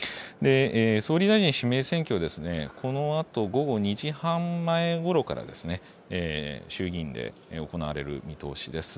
総理大臣指名選挙、このあと午後２時半前ごろから、衆議院で行われる見通しです。